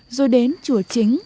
rồi đến chùa chính